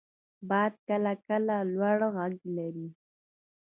• باد کله کله لوړ ږغ لري.